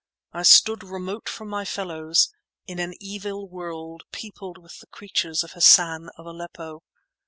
I stood remote from my fellows, in an evil world peopled with the creatures of Hassan of Aleppo.